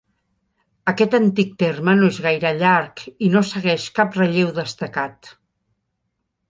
Aquest antic terme no és gaire llarg, i no segueix cap relleu destacat.